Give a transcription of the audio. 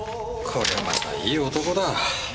こりゃまたいい男だ。